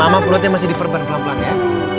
jangan mama pelutnya masih diperban pelan pelan ya